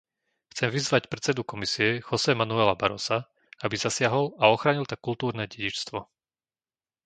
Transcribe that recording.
Chcem vyzvať predsedu Komisie, José Manuela Barrosa, aby zasiahol a ochránil tak kultúrne dedičstvo.